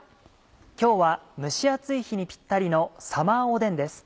今日は蒸し暑い日にピッタリの「サマーおでん」です。